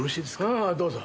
ああどうぞ。